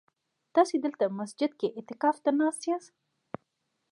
تاسي دلته مسجد کي اعتکاف ته ناست ياست؟